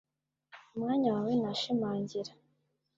Mu mwanya wawe nashimangira